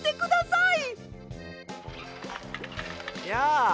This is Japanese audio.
やあ！